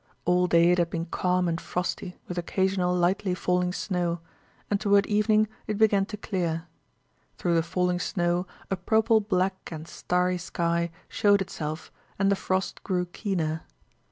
All day it had been calm and frosty with occasional lightly falling snow and toward evening it began to clear. Through the falling snow a purple black and starry sky showed itself and the frost grew keener.